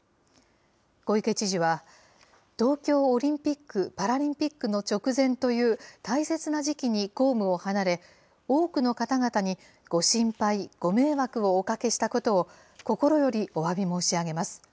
小池知事は、東京オリンピック・パラリンピックの直前という大切な時期に公務を離れ、多くの方々にご心配、ご迷惑をおかけしたことを心よりおわび申し上げます。